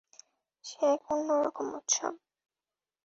সে এক অন্য রকম উৎসব।